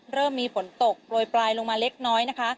เริ่มมีฝนตกโปรยปลายลงมาเล็กน้อยนะคะ